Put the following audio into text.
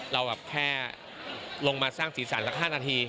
เราแบบแค่ลงมาสร้างศีรษรลักษณ์๕นาที